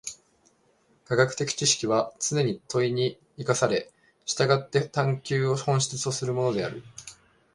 科学的知識はつねに問に生かされ、従って探求を本質とするものである。